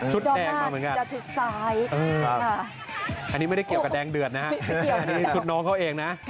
ชุดแดงมาเหมือนกันอันนี้ไม่ได้เกี่ยวกับแดงเดือดนะครับอันนี้ชุดน้องเขาเองนะ